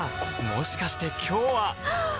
もしかして今日ははっ！